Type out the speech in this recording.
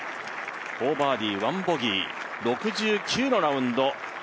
４バーディー１ボギー６９のラウンド。